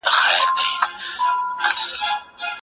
عمر د غلام په خبرو کې رښتینولي ولیده.